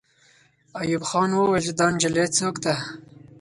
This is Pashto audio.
ایوب خان وویل چې دا نجلۍ څوک ده.